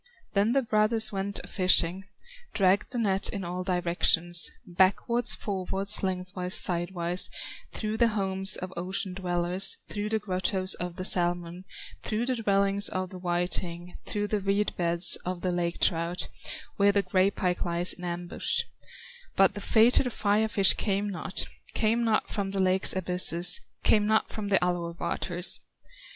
Then the brothers went a fishing, Dragged the net in all directions, Backwards, forwards, lengthwise, sidewise, Through the homes of ocean dwellers, Through the grottoes of the salmon, Through the dwellings of the whiting, Through the reed beds of the lake trout, Where the gray pike lies in ambush; But the fated Fire fish came not, Came not from the lake's abysses, Came not from the Alue waters.